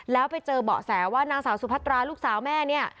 แล้วไปเจอเบาะแสว่านางสาวสุพัตราลูกสาวแม่เนี่ย